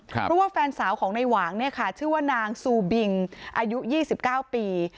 เพราะว่าแฟนสาวของนายหวังชื่อว่านางซูบิงอายุ๒๙ปี